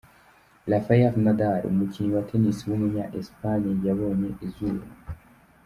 Rafael Nadal, umukinnyi wa Tennis w’umunya-Espagne yabonye izuba.